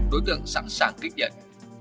đối tượng sẵn sàng kích nhận